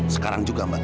sekarang juga mbak